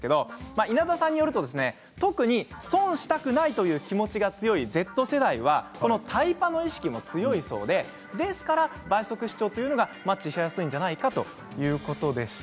稲田さんによると特に損したくないという気持ちが強いＺ世代はこのタイパの意識も強いそうで倍速視聴がマッチしやすいんじゃないかということでした。